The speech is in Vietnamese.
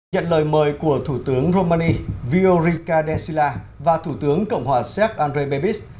nhận lời mời của thủ tướng romani viorica densila và thủ tướng cộng hòa sép andrei bebis